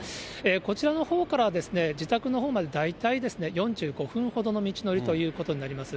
こちらのほうからは、自宅のほうまで大体４５分ほどの道のりということになります。